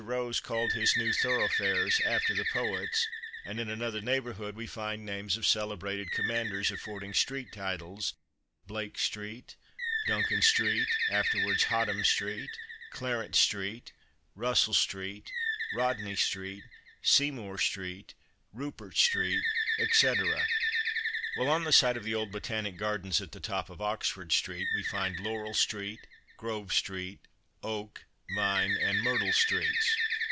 Rose called his new thoroughfares after the poets, and in another neighbourhood we find the names of celebrated commanders affording street titles as in Blake street, Duncan street (afterwards Hotham street), Clarence street, Russell street, Rodney street, Seymour street, Rupert street, etc. While on the site of the old Botanic Gardens at the top of Oxford street, we find Laurel street, Grove street, Oak, Vine, and Myrtle streets.